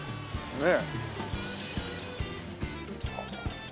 ねえ。